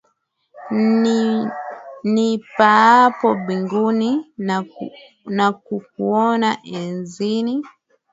Nipaapo mbinguni, nakukuona enzini